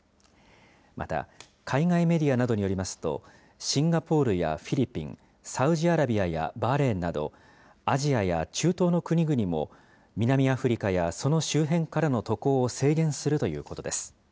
また、海外メディアなどによりますと、シンガポールやフィリピン、サウジアラビアやバーレーンなど、アジアや中東の国々も南アフリカやその周辺からの渡航を制限するということです。